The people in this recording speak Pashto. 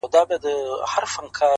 فکرونه راتلونکی جوړوي